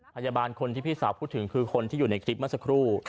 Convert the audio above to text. พยาบาลคนที่พี่สาวพูดถึงคือคนที่อยู่ในคลิปเมื่อสักครู่